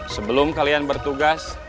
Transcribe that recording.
sebelum kalian bertugas